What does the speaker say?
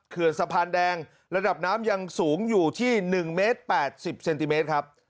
เขื่อนสะพานแดงระดับน้ำยังสูงอยู่ที่๑เมตร๘๐เซนติเมตรครับ